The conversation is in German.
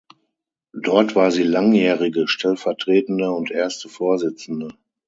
Dort war sie langjährige stellvertretende und erste Vorsitzende.